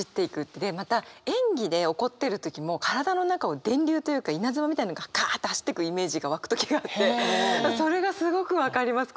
また演技で怒ってる時も体の中を電流というか稲妻みたいのがかぁって走っていくイメージが湧く時があってそれがすごく分かります。